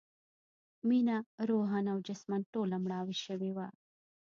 مينه روحاً او جسماً ټوله مړاوې شوې وه